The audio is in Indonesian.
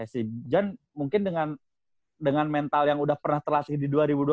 si jan mungkin dengan mental yang udah pernah terlatih di dua ribu dua belas